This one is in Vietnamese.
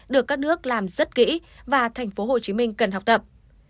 được các nước làm rất kỹ và tp hcm cần học tập